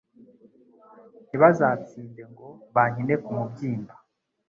ntibazatsinde ngo bankine ku mubyimba»